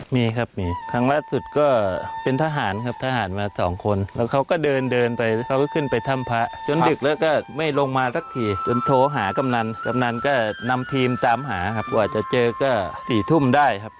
มีครับมีครั้งล่าสุดก็เป็นทหารครับทหารมาสองคนแล้วเขาก็เดินเดินไปเขาก็ขึ้นไปถ้ำพระจนดึกแล้วก็ไม่ลงมาสักทีจนโทรหากำนันกำนันก็นำทีมตามหาครับกว่าจะเจอก็๔ทุ่มได้ครับ